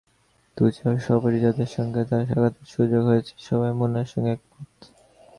দু-চারজন সহপাঠী, যাদের সঙ্গে তার সাক্ষাতের সুযোগ হয়েছে, সবাই মুনার সঙ্গে একমত।